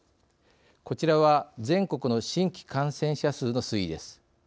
こちらは全国の新規感染者数の推移です。